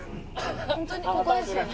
本当にここですよね？